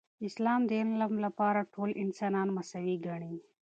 اسلام د علم لپاره ټول انسانان مساوي ګڼي.